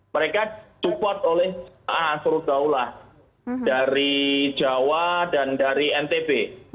mereka support oleh jemaah surut daulah dari jawa dan dari ntb